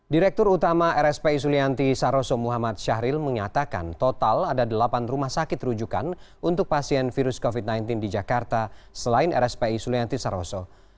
direktur utama rspi sulianti saroso muhammad syahril menyatakan total ada delapan rumah sakit rujukan untuk pasien virus covid sembilan belas di jakarta selain rspi sulianti saroso